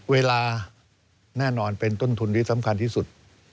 เวลาแน่นอนเป็นต้นทุนที่สำคัญที่สุด